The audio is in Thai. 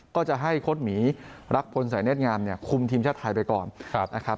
ก็จะให้โค้ดหมีรักพลสายเนธงามเนี่ยคุมทีมชาติไทยไปก่อนนะครับ